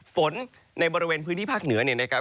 ฝนในบริเวณพื้นที่ภาคเหนือเนี่ยนะครับ